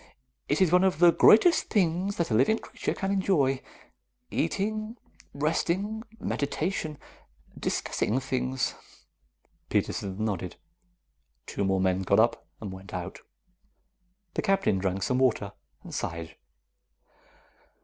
It is one of the greatest things that a living creature can enjoy. Eating, resting, meditation, discussing things." Peterson nodded. Two more men got up and went out. The Captain drank some water and sighed.